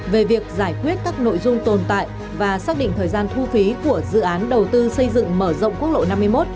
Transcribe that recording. về việc giải quyết các nội dung tồn tại và xác định thời gian thu phí của dự án đầu tư xây dựng mở rộng quốc lộ năm mươi một